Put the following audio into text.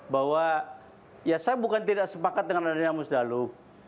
bahwa ya saya bukan tidak sepakat dengan adanya musdalu